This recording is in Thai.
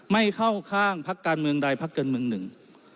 ไม่เข้าข้างพักการเมืองใดพักการเมืองหนึ่ง